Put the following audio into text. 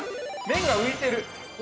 麺が浮いてる。